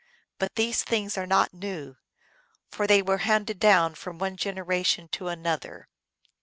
But these things are not new, for they were handed down from one generation to an other."